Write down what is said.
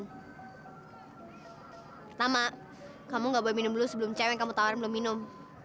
pertama kamu gak boleh minum dulu sebelum cewek kamu tawar belum minum